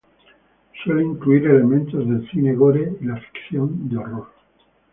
Suele incluir elementos del cine gore y la ficción de horror.